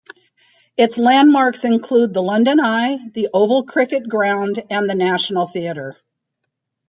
Its landmarks include the London Eye, the Oval cricket ground and the National Theatre.